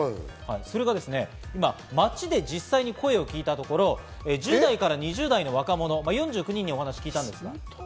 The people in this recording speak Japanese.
それが今、街で実際に声を聞いたところ、１０代から２０代の若者４９人にお話を聞きました。